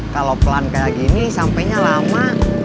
kalau pelan kayak gini sampainya lama